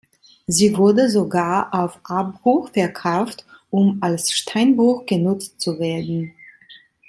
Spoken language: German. Sie wurde sogar auf Abbruch verkauft, um als Steinbruch genutzt zu werden.